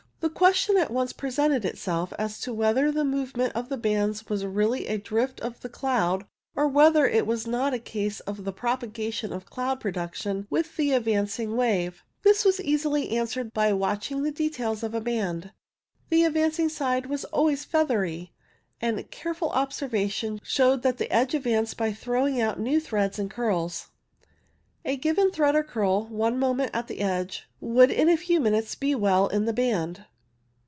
The ques tion at once presented itself as to whether the move ment of the bands was really a drift of the cloud, or whether it was not a case of the propagation of cloud production with the advancing wave. This was easily answered by watching the details of a band. The advancing side was always feathery, and careful observation showed that the edge ad vanced by throwing out new threads and curls. A given thread or curl, one moment at the edge, would in a few minutes be well in the band.